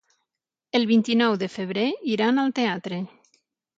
El vint-i-nou de febrer iran al teatre.